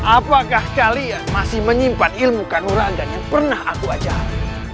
apakah kalian masih menyimpan ilmu kanurandan yang pernah aku ajarkan